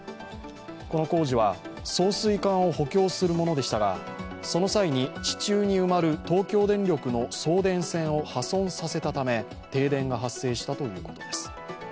この工事は送水管を補強するものでしたがその際に地中に埋まる東京電力の送電線を破損させたため停電が発生したということです。